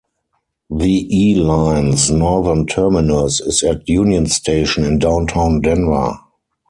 The E Line's northern terminus is at Union Station in downtown Denver.